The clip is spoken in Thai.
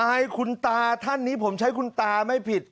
อายคุณตาท่านนี้ผมใช้คุณตาไม่ผิด